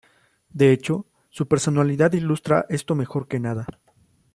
De hecho, su personalidad ilustra esto mejor que nada.